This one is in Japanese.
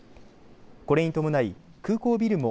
これに伴い、空港ビルも